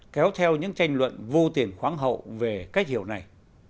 kéo theo những tranh luận vô tiền khoáng hậu về cách hiểu này